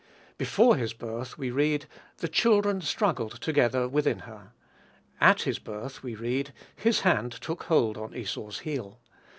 Before his birth, we read, "the children struggled together within her." At his birth, we read, "his hand took hold on Esau's heel."